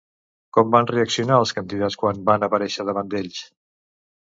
Com van reaccionar els candidats quan va aparèixer davant d'ells?